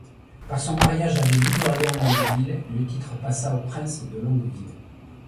Par son mariage avec Louis d'Orléans-Longueville, le titre passa aux princes de Longueville.